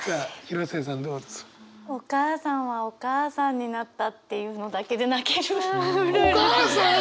「お母さんはお母さんになった」っていうのだけで泣ける。